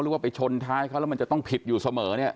หรือว่าไปชนท้ายเขาแล้วมันจะต้องผิดอยู่เสมอ